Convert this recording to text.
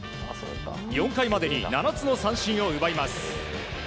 ４回までに７つの三振を奪います。